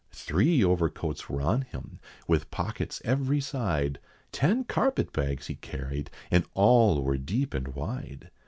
Three overcoats were on him, with pockets every side, Ten carpet bags he carried, and all were deep and wide.